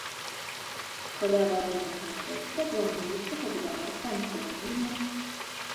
Каля аварыйнага моста плануецца пабудаваць пантонны мост.